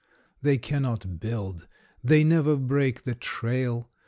They cannot build, they never break the trail.